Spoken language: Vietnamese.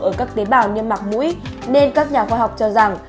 ở các tế bào nhân mạc mũi nên các nhà khoa học cho rằng